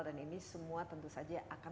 dan ini semua tentu saja yang akan berhasil